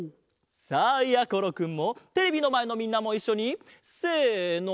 さあやころくんもテレビのまえのみんなもいっしょにせの。